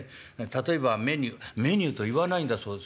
例えばメニューメニューといわないんだそうですね。